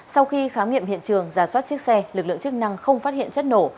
sau khi khám nghiệm hiện trường giả soát chiếc xe lực lượng chức năng không phát hiện chất nổ